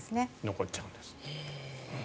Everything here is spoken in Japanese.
残っちゃうんですね。